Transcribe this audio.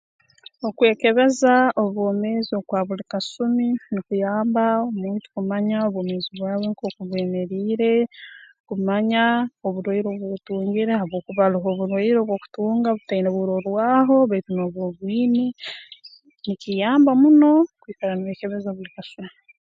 Okwekebeza obwomeezi okwa buli kasumi nukuyamba omuntu kumanya obwomeezi bwawe nkooku bwemeriire kumanya oburwaire obu otungire habwokuba haroho oburwaire obu okutunga butaine burorwaho baitu nooba obwine nikiyamba muno kwikara nooyekebeza buli kasumi